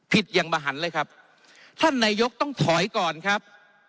อย่างมหันเลยครับท่านนายกต้องถอยก่อนครับ